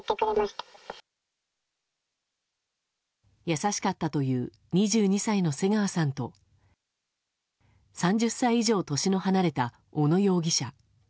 優しかったという２２歳の瀬川さんと３０歳以上、年の離れた小野容疑者。